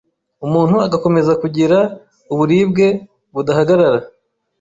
umuntu agakomeza kugira uburibwe budahagarara.